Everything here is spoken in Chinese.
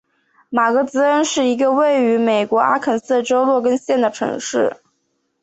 马格兹恩是一个位于美国阿肯色州洛根县的城市。